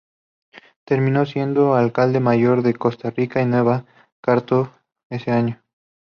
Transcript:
Terminó siendo alcalde mayor de Costa Rica y Nueva Cartago ese año.